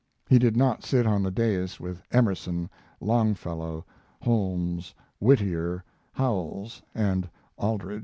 He did not sit on the dais with Emerson, Longfellow, Holmes, Whittier, Howells, and Aldrich.